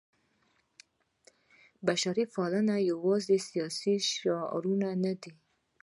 بشرپالنه یوازې سیاسي شعارونه نه دي.